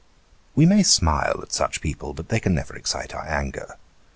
We may smile at such people, bnt they can never excite our anger.